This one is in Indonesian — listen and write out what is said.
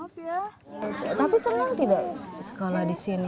tapi senang tidak sekolah di sini